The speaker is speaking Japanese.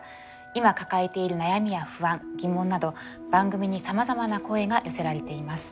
今抱えている悩みや不安疑問など番組にさまざまな声が寄せられています。